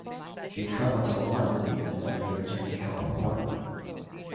She traveled to London, and eventually returned to California.